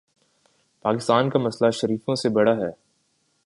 پاکستان کا مسئلہ شریفوں سے بڑا ہے۔